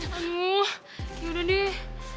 aduh yaudah deh